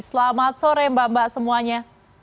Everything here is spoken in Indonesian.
selamat sore mbak mbak semuanya